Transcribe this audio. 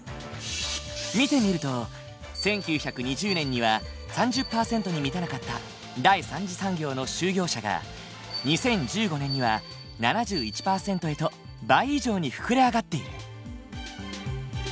見てみると１９２０年には３０％に満たなかった第三次産業の就業者が２０１５年には７１％へと倍以上に膨れ上がっている。